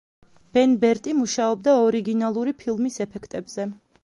ბენ ბერტი მუშაობდა ორიგინალური ფილმის ეფექტებზე.